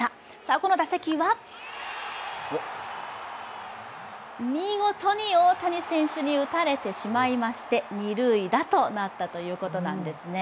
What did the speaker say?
この打席は見事に大谷選手に打たれてしまいまして、二塁打となったということなんですね。